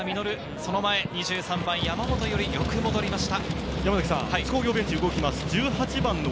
その前に２３番・山本伊織、よく戻りました。